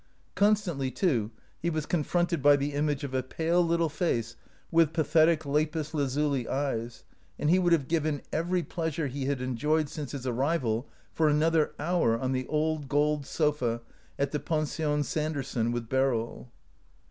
Constantly, too, he was confronted by the image of a pale little face with pathetic lapis lazuli eyes ; and he would have given every pleasure he had enjoyed since his arrival for another hour on the old gold sofa at the Pension Sander son with Beryl.